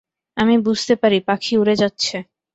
আমি বুঝতে পারি পাখি উড়ে যাচ্ছে।